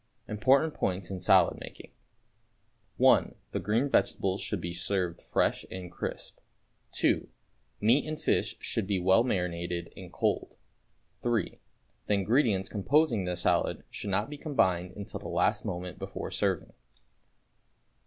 =Important Points in Salad Making.= (1) The green vegetables should be served fresh and crisp. (2) Meat and fish should be well marinated and cold. (3) The ingredients composing the salad should not be combined until the last moment before serving.